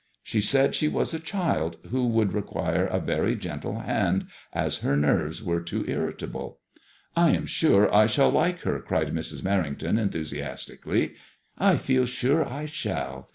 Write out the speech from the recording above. She said she was a child who would require a very gentle hand, as her nerves were too irritable." I am sure I shall like her," cried Mrs. Merrington, enthusiasm tically. " I feel sure I shall."